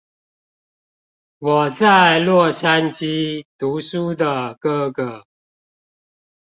我在洛杉磯讀書的哥哥